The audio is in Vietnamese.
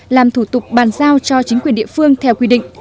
làm thủ tục bàn giao cho chính quyền địa phương theo quy định